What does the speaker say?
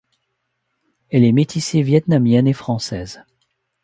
Elle est métissée vietnamienne et française.